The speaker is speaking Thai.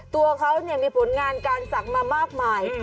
ตัวเขามีผลงานการสั่งมามากมาย